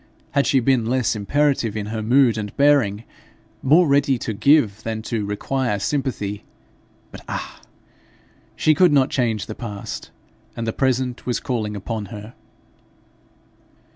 Had she been less imperative in her mood and bearing, more ready to give than to require sympathy, but ah! she could not change the past, and the present was calling upon her.